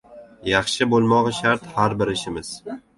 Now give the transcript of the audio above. Yaxshi bo‘lmog‘i shart har bir ishimiz.